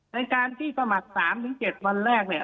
ในการที่สมัคร๓๗วันแรกเนี่ย